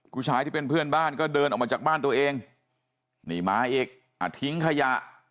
ผู้ชายที่เป็นเพื่อนบ้านก็เดินออกมาจากบ้านตัวเองนี่มาอีกอ่ะทิ้งขยะ